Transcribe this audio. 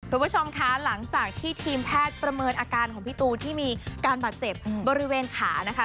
คุณผู้ชมค่ะหลังจากที่ทีมแพทย์ประเมินอาการของพี่ตูนที่มีการบาดเจ็บบริเวณขานะคะ